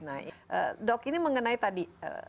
nah dok ini mengenai tadi